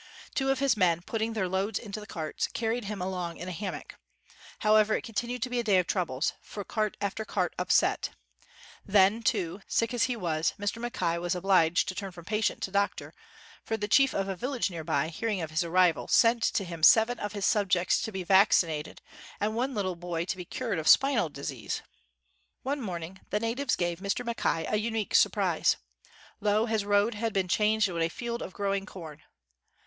Two of his men, putting their loads into the carts, carried him along in a hammock. However, it continued to be a day of troubles; for cart after cart upset, Then too, sick as he was, Mr. Mackay was obliged to turn from patient to doctor; for the chief of a village near by, hearing of his arrival, sent to him seven of his subjects to be vaccinated and one little boy to be cured of spinal disease! , One morning the natives gave Mr. Mack ay a unique surprise. Lo, his road had been changed into a field of growing corn.